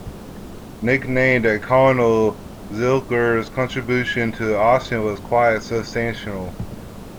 Nicknamed "the Colonel", Zilker's contribution to Austin was quite substantial.